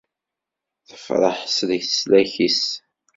Tefreḥ s leslak-is.